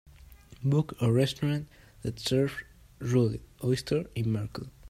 book a restaurant that serves rolled oyster in Merkel